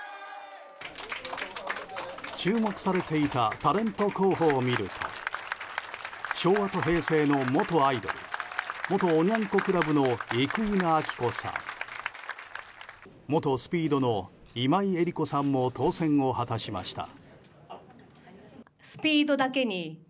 注目されていたタレント候補を見ると昭和と平成の元アイドル元おニャン子クラブの生稲晃子さん元ＳＰＥＥＤの今井絵理子さんも当選を果たしました。